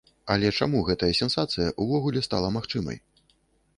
Але чаму гэтая сенсацыя ўвогуле стала магчымай?